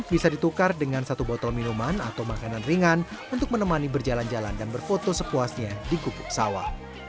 bisa ditukar dengan satu botol minuman atau makanan ringan untuk menemani berjalan jalan dan berfoto sepuasnya di gubuk sawah